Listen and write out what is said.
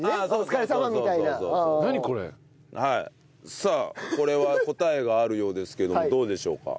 さあこれは答えがあるようですけどもどうでしょうか？